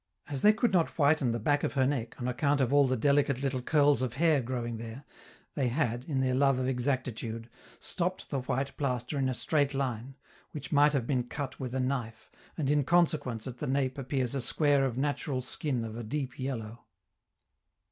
As they could not whiten the back of her neck on account of all the delicate little curls of hair growing there, they had, in their love of exactitude, stopped the white plaster in a straight line, which might have been cut with a knife, and in consequence at the nape appears a square of natural skin of a deep yellow.